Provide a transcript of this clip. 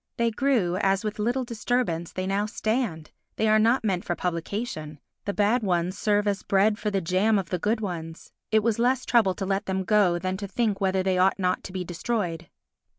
They grew as, with little disturbance, they now stand; they are not meant for publication; the bad ones serve as bread for the jam of the good ones; it was less trouble to let them go than to think whether they ought not to be destroyed.